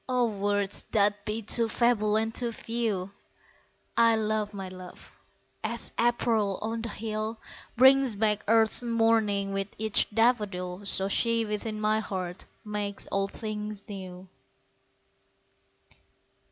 O words that be too feeble and too few! I love my love! as April on the hill Brings back earth's morning with each daffodil, So she within my heart makes all things new.